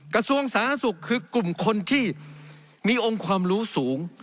กระทรวงสาธารณสุขคือกลุ่มคนที่มีองค์ความรู้สูง